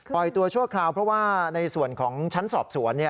ตัวชั่วคราวเพราะว่าในส่วนของชั้นสอบสวน